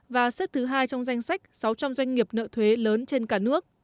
và xếp thứ hai trong danh sách sáu trăm linh doanh nghiệp nợ thuế lớn trên cả nước